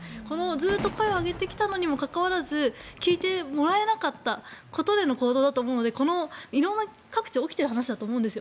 ずっと声を上げてきたにもかかわらず聞いてもらえなかったことでの行動だと思うので色んな各地起きている話だと思うんです。